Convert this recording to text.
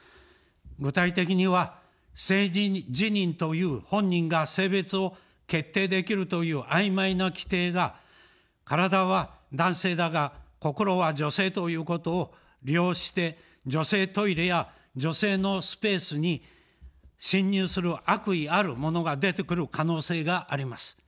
具体的には、性自認という本人が性別を決定できるという曖昧な規定が、体は男性だが、心は女性ということを利用して女性トイレや女性のスペースに侵入する悪意ある者が出てくる可能性があります。